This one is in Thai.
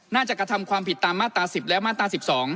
กระทำความผิดตามมาตรา๑๐และมาตรา๑๒